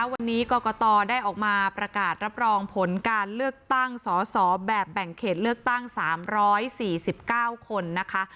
วันนี้กรกตได้ออกมาประกาศรับรองผลการเลือกตั้งสอสอแบบแบ่งเขตเลือกตั้ง๓๔๙คนนะคะ